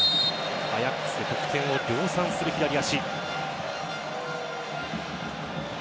アヤックスで得点を量産する左足。